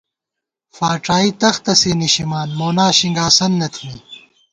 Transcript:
فاڄائی تختہ سے نِشِمان، مونا شِنگ آسند نہ تھنی